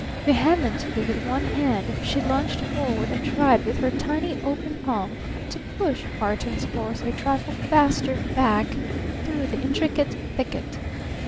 Vehemently with one hand she lunged forward and tried with her tiny open palm to push Barton's horse a trifle faster back through the intricate thicket.